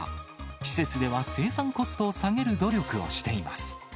施設では生産コストを下げる努力をしています。